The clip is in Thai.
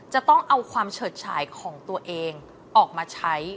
จะต้องเอาความเฉิดฉายของตัวเองออกมาใช้